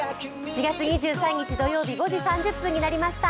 ４月２３日土曜日、５、時３０分になりました。